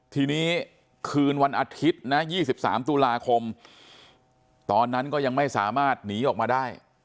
ทีนี้คืนวันอาทิตย์นะ๒๓ตุลาคมตอนนั้นก็ยังไม่สามารถหนีออกมาได้